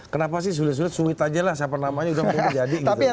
kenapa sih sulit sulit sulit aja lah siapa namanya udah mau jadi gitu